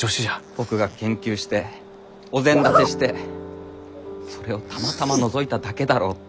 僕が研究してお膳立てしてそれをたまたまのぞいただけだろうって。